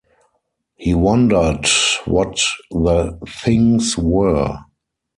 He wondered what the things were.